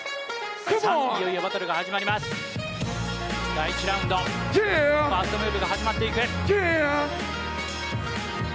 第１ラウンド、ファーストムーブが始まっていく。